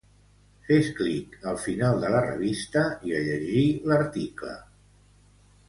Fes clic al final de la revista i a llegir l'article.